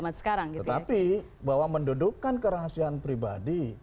tetapi bahwa mendudukan kerahasiaan pribadi